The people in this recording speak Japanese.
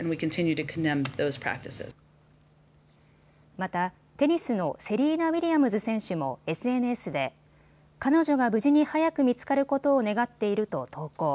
また、テニスのセリーナ・ウィリアムズ選手もＳＮＳで彼女が無事に早く見つかることを願っていると投稿。